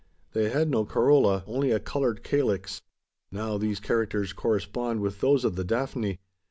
They had no corolla only a coloured calyx. Now these characters correspond with those of the daphne.